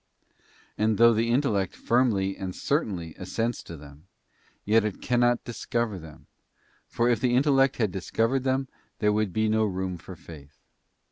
'* And though the intellect firmly and certainly assents to them, yet it cannot discover them; for if the intellect had discovered them, there would be no room for Faith.